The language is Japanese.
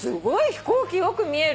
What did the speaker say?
飛行機よく見える。